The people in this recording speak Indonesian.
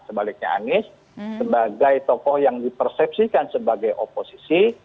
sebaliknya anies sebagai tokoh yang dipersepsikan sebagai oposisi